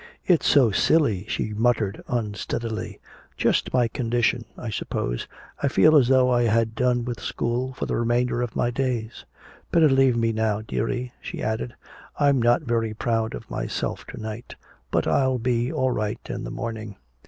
"It's so silly!" she muttered unsteadily. "Just my condition, I suppose. I feel as though I had done with school for the remainder of my days!... Better leave me now, dearie," she added. "I'm not very proud of myself to night but I'll be all right in the morning."